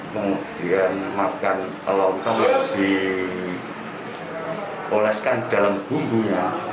kemudian makan lontong harus dioleskan dalam bumbunya